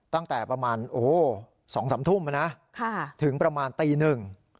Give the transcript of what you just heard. ตั้งแต่ประมาณ๒๓ทุ่มนะถึงประมาณตีหนึ่ง